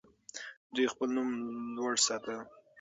دوی خپل نوم لوړ ساته.